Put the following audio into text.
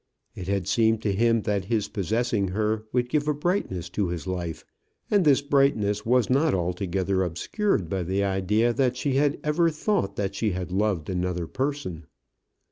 It had seemed to him that his possessing her would give a brightness to his life, and this brightness was not altogether obscured by the idea that she had ever thought that she had loved another person.